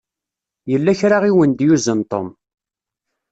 Yella kra i wen-d-yuzen Tom.